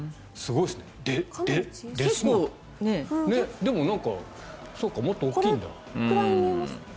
でも、もっと大きいんだ。